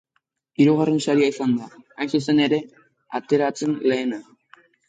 Hirugarren saria izan da, hain zuzen ere, ateratzen lehena.